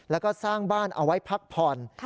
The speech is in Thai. แล้วก็สร้างบ้านเอาไว้พักผ่อน